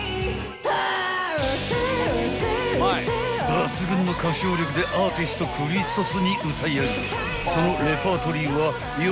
［抜群の歌唱力でアーティストくりそつに歌い上げ］